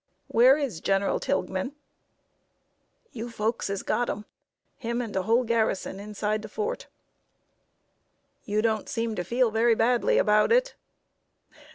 "Where is General Tilghman?" "You folks has got him him and de whole garrison inside de fort." "You don't seem to feel very badly about it."